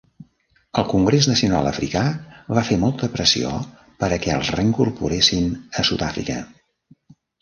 El Congrés Nacional Africà va fer molta pressió per a què els reincorporessin a Sud Àfrica.